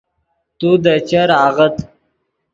تو دے چر آغت